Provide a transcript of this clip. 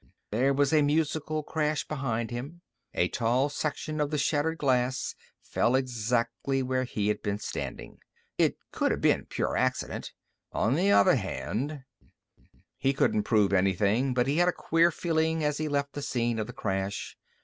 There was a musical crash behind him. A tall section of the shattered glass fell exactly where he had been standing. It could have been pure accident. On the other hand He couldn't prove anything, but he had a queer feeling as he left the scene of the crash.